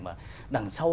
mà đằng sau